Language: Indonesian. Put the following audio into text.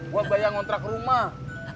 buat biaya ngontrak rumah